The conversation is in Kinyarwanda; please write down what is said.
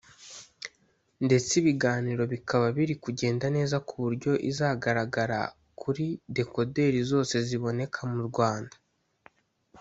ndetse ibiganiro bikaba biri kugenda neza ku buryo izagaragara kuri dekoderi zose ziboneka mu Rwanda